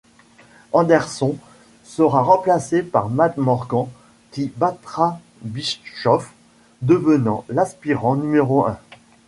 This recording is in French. Anderson sera remplacé par Matt Morgan, qui battra Bischoff, devenant l'aspirant numéro un.